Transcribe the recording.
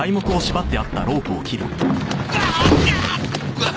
うわっ！